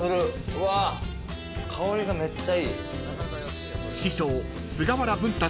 うわ香りがめっちゃいい。